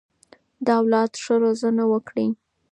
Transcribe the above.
د اولاد ښه روزنه وکړئ.